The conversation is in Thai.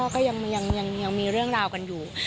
ก็ยังมีเรื่องราวกันอยู่